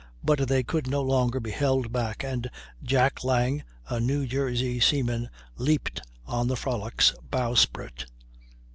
But they could no longer be held back, and Jack Lang, a New Jersey seaman, leaped on the Frolic's bowsprit.